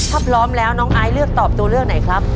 ถ้าพร้อมแล้วน้องไอซ์เลือกตอบตัวเลือกไหนครับ